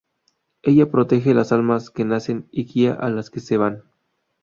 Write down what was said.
Ella protege las almas que nacen y guía a las que se van.